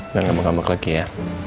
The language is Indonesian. udah gak mau ngambek lagi ya